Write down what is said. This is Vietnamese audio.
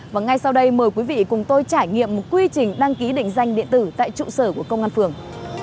và ngay sau đây mời quý vị cùng tôi trải nghiệm một quy trình đăng ký định danh điện tử tại trụ sở của công an phường